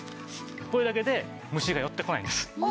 これだけで虫が寄ってこないんです。